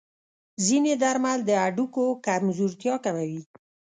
ځینې درمل د هډوکو کمزورتیا کموي.